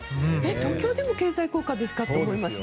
東京でも経済効果ですかと思いました。